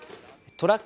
トラック